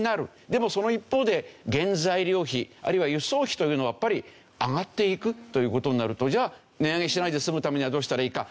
でもその一方で原材料費あるいは輸送費というのはやっぱり上がっていくという事になるとじゃあ値上げしないで済むためにはどうしたらいいか？